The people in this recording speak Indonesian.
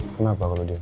kenapa aku diem